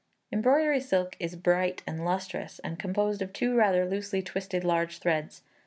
Embroidery silk is bright and lustrous, and composed of two rather loosely twisted large threads.